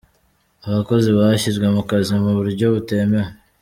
Abakozi bashyizwe mu kazi mu buryo butemewe